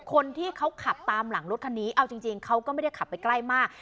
คนที่เขาขับตามหลังรถคันนี้เอาจริงเขาก็ไม่ได้ขับไปใกล้มาก